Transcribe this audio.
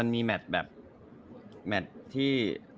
แมทที่